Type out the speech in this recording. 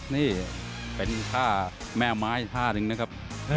นี่เป็นท่าแม่ไม้ท่านึงครับ